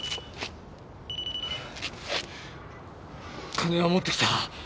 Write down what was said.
金は持ってきた。